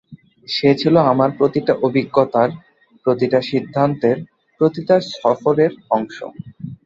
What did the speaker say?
সে ছিল আমার প্রতিটা অভিজ্ঞতার, প্রতিটা সিদ্ধান্তের, প্রতিটা সফরের অংশ।